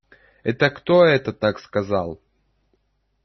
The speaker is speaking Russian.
Это кто это так сказал?